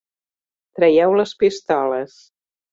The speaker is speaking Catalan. Traieu les pistoles.